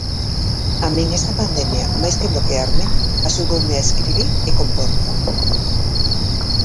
A min esta pandemia máis que bloquearme, axudoume a escribir e compor.